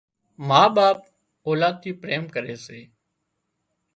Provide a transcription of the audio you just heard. ما ٻاپ اولاد ٿي پريم ڪري سي